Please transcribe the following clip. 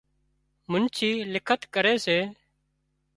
منڇي لکت ڪري سي